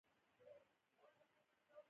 د خوست جوار د غره په لمن کې دي.